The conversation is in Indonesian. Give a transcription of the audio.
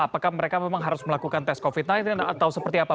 apakah mereka memang harus melakukan tes covid sembilan belas atau seperti apa